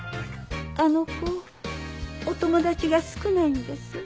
あの子お友達が少ないんです。